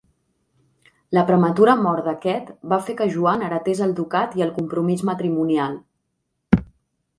La prematura mort d'aquest va fer que Joan heretés el ducat i el compromís matrimonial.